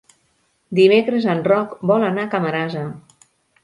Dimecres en Roc vol anar a Camarasa.